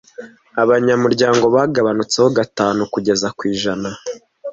Abanyamuryango bagabanutseho gatunu kugeza ku ijana.